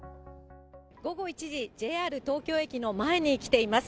午後１時、ＪＲ東京駅の前に来ています。